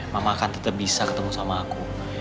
mama akan tetap bisa ketemu sama aku